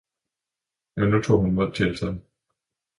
Men nu tog hun Mod til sig.